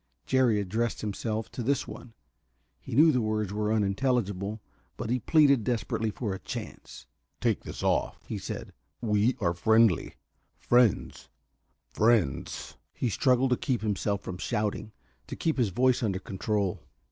Jerry addressed himself to this one. He knew the words were unintelligible, but he pleaded desperately for a chance. "Take this off," he said. "We are friendly friends friends!" He struggled to keep himself from shouting, to keep his voice under control.